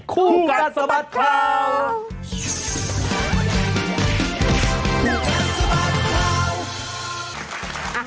คู่กันสมัครครับ